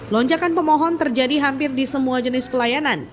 lonjakan pemohon terjadi hampir di semua jenis pelayanan